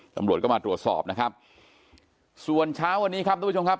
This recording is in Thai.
ตำรวจก็มาตรวจสอบนะครับส่วนเช้าวันนี้ครับทุกผู้ชมครับ